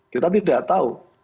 kita tidak tahu